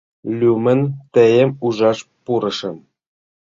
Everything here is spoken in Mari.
Лӱмын тыйым ужаш пурышым.